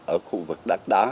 ở khu vực đất đó